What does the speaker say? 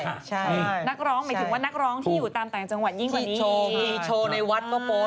เพราะวันนี้หล่อนแต่งกันได้ยังเป็นสวย